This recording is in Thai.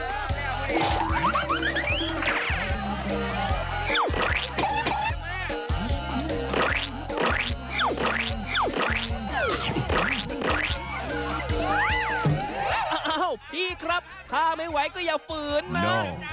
อ้าวพี่ครับถ้าไม่ไหวก็อย่าฝืนนะ